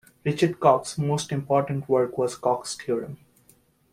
Richard Cox's most important work was Cox's theorem.